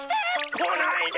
こないで！